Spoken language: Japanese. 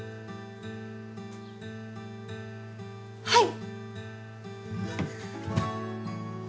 はい！